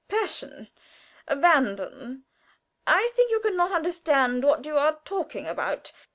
"Passion abandon! I think you can not understand what you are talking about!"